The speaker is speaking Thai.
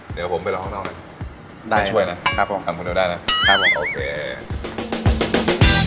เดี๋ยวผมไปลองนอกหน่อย